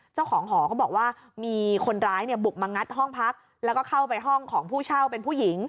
เจ้าของหอเขาบอกว่ามีคนร้ายเนี่ยบุกมางัดห้องพักแล้วก็เข้าไปห้องของผู้เช่าเป็นผู้หญิง